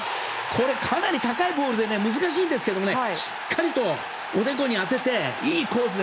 かなり高いボールで難しいんですけどしっかりとおでこに当てていいコースで。